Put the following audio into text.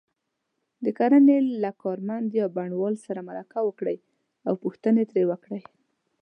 د کرنې له کارمند یا بڼوال سره مرکه وکړئ او پوښتنې ترې وکړئ.